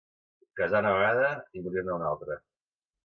Casar una vegada i morir-ne una altra.